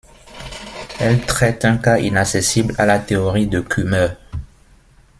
Elle traite un cas inaccessible à la théorie de Kummer.